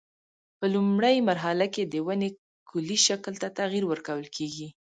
په لومړۍ مرحله کې د ونې کلي شکل ته تغییر ورکول کېږي.